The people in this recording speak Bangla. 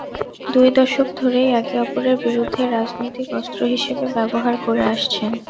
দুই দশক ধরেই একে অপরের বিরুদ্ধে রাজনৈতিক অস্ত্র হিসেবে ব্যবহার করে আসছেন।